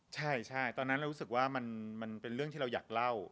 ใช่ตอนนั้นเรารู้สึกว่ามันเป็นเรื่องที่เราอยากเล่า